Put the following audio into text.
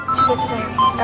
ntaps hari nino sendiri